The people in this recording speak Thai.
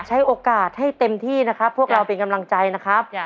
ใช้โอกาสให้เต็มที่นะครับพวกเราเป็นกำลังใจนะครับ